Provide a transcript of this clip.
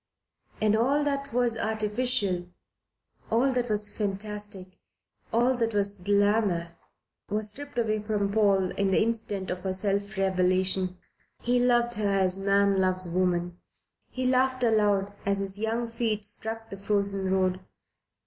And all that was artificial, all that was fantastic, all that was glamour, was stripped away from Paul in the instant of her self revelation. He loved her as man loves woman. He laughed aloud as his young feet struck the frozen road.